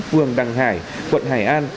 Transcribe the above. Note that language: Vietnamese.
phường đăng hải quận hải an